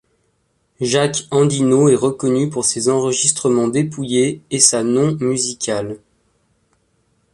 Jack Endino est reconnu pour ses enregistrements dépouillés et sa non musicale.